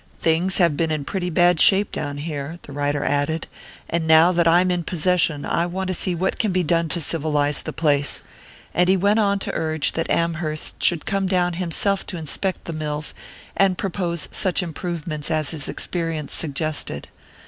Things have been in pretty bad shape down here," the writer added, "and now that I'm in possession I want to see what can be done to civilize the place"; and he went on to urge that Amherst should come down himself to inspect the mills, and propose such improvements as his experience suggested.